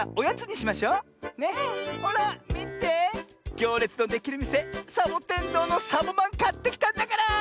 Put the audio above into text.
ぎょうれつのできるみせサボテンどうのサボまんかってきたんだから！